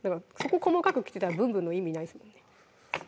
ここ細かく切ってたら「ぶんぶん」の意味ないですもんね